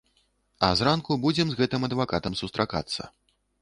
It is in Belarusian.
А зранку будзем з гэтым адвакатам сустракацца.